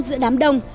giữa đám đông